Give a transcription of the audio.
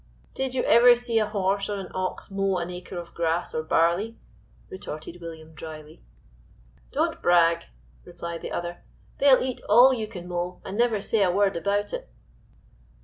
"Did you ever see a horse or an ox mow an acre of grass or barley?" retorted William dryly. "Don't brag," replied the other; "they'll eat all you can mow and never say a word about it."